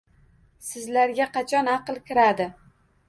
Sizlarga qachon aql kiradi?